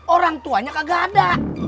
orang tuanya kagak ada